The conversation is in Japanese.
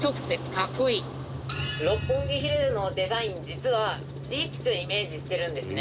六本木ヒルズのデザイン実は力士をイメージしてるんですね。